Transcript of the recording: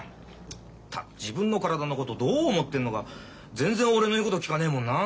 ったく自分の体のことをどう思ってんのか全然俺の言うこと聞かねえもんな。